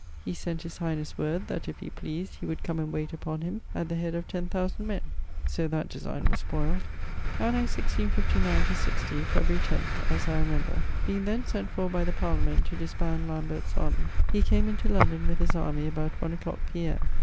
He sent his highnesse word, that if he pleased he would come and waite upon him at the head of 10,000 men. So that designe was spoyled. Anno 1659/60, Febr. 10th (as I remember), being then sent for by the Parliament to disband Lambert's armie, he came into London with his army about one a clock P.M.